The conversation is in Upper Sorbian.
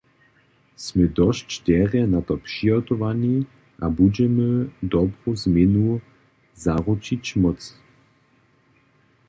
Smy dosć derje na to přihotowani a budźemy dobru změnu zaručić móc.